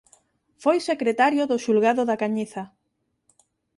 Foi secretario do Xulgado da Cañiza.